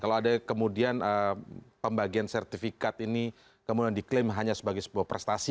kalau ada kemudian pembagian sertifikat ini kemudian diklaim hanya sebagai sebuah prestasi